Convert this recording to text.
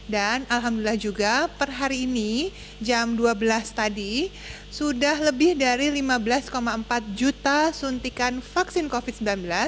dan alhamdulillah juga per hari ini jam dua belas tadi sudah lebih dari lima belas empat juta suntikan vaksin covid sembilan belas